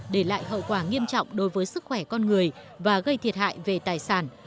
để lại hậu quả nghiêm trọng đối với sức khỏe con người và gây thiệt hại về tài sản